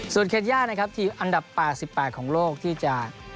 ส่วนเคนย่านะครับทีมอันดับ๘๘ของโลกที่จะ